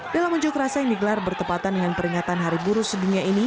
dalam unjuk rasa yang digelar bertepatan dengan peringatan hari buruh sedunia ini